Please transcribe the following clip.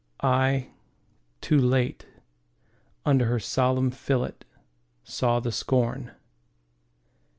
I, too late, Under her solemn fillet saw the scorn.